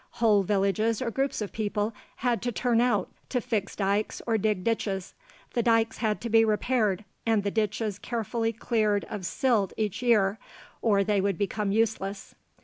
Whole villages or groups of people had to turn out to fix dikes or dig ditches. The dikes had to be repaired and the ditches carefully cleared of silt each year, or they would become useless.